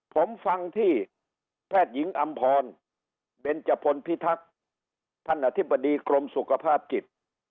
ผมฟังที่แพทย์หญิงอำพรเบนจพลพิทักษ์ท่านอธิบดีกรมสุขภาพจิต